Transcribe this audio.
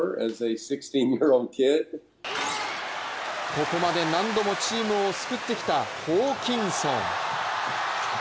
ここまで何度もチームを救ってきたホーキンソン。